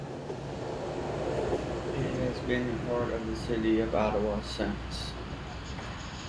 It has been a part of the City of Ottawa since.